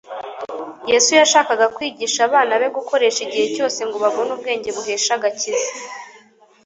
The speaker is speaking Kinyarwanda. Yesu yashakaga kwigisha abana be gukoresha igihe cyose ngo babone ubwenge buhesha agakiza.